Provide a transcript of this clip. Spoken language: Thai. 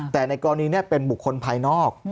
แต่ในกรณีนี้เป็นบุคคลภายนอก